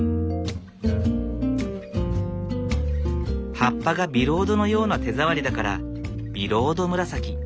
葉っぱがビロードのような手触りだからビロードムラサキ。